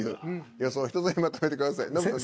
予想を１つにまとめてください。